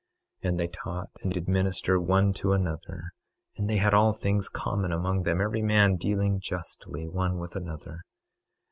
26:19 And they taught, and did minister one to another; and they had all things common among them, every man dealing justly, one with another.